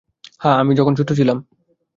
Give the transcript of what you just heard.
হ্যাঁ, আমি যখন ছোট ছিলাম।